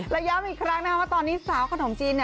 ระยับอีกครั้งก็ตอนนี้สาวขนมจีน